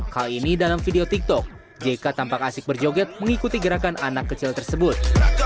hal ini dalam video tiktok jk tampak asik berjoget mengikuti gerakan anak kecil tersebut